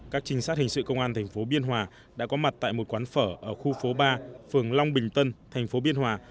các trinh sát hình sự công an thành phố biên hòa đã có mặt tại một quán phở ở khu phố ba phường long bình tân thành phố biên hòa